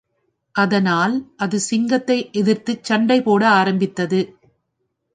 அதனால், அது சிங்கத்தை எதிர்த்துச் சண்டைபோட ஆரம்பித்தது.